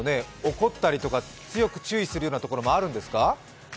怒ったりとか、強く注意するようなところもあるんですか？